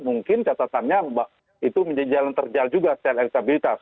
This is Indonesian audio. mungkin catatannya itu menjadi jalan terjal juga setelah stabilitas